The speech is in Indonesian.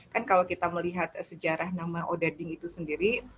kan kalau kita melihat sejarah nama odading itu sendiri